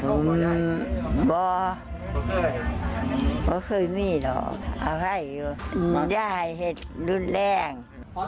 อืมได้เหตุรุดแรง